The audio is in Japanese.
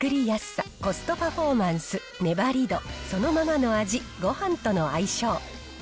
作りやすさ、コストパフォーマンス、粘り度、そのままの味、ごはんとの相性。